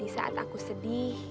di saat aku sedih